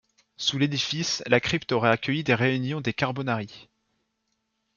Sous l'édifice, la crypte aurait accueilli des réunions des Carbonari.